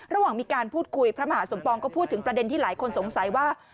ระหว่างมีการพูดคุยพระมหาสมปองก็พูดถึงประเด็นที่หลายคนสงสัยว่า